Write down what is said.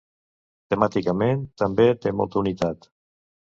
Temàticament també té molta unitat.